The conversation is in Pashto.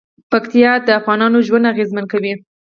پکتیا د افغانانو ژوند اغېزمن کوي.